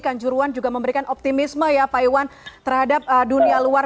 kanjuruan juga memberikan optimisme ya pak iwan terhadap dunia luar